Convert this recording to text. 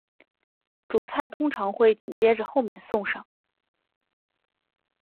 主菜通常会紧接着后面送上。